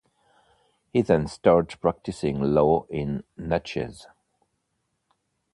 He then started practicing law in Natchez.